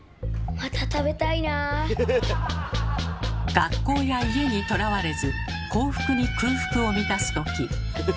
学校や家にとらわれず幸福に空腹を満たす時。